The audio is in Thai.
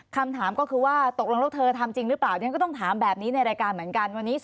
คำถามก็คือว่าตกลงตัวเธอทำจริงหรือเปล่าเ